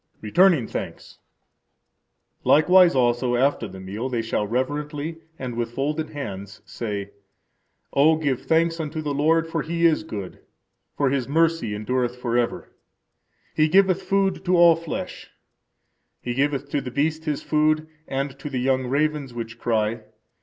Returning Thanks. Likewise also after the meal they shall reverently and with folded hands say: O give thanks unto the Lord, for He is good; for His mercy endureth forever. He giveth food to all flesh; He giveth to the beast his food, and to the young ravens which cry.